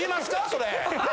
それ。